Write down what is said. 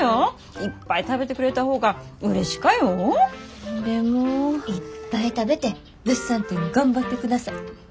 いっぱい食べて物産展頑張ってください！